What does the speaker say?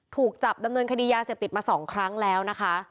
ถูกจับดำเนินคดียาเสพติดมา๒ครั้งแล้วนะคะ